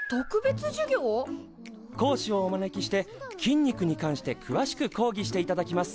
講師をお招きして筋肉に関してくわしく講義していただきます。